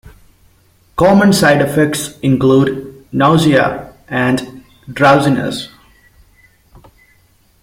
Common side effects include nausea and drowsiness.